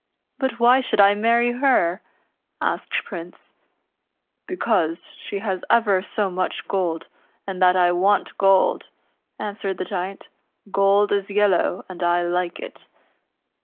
" Rut why should I marry her ?" asked Prince, " Because she has ever so much gold, and that I want gold," answered the Giant. " Gold is yellow, and I like it.''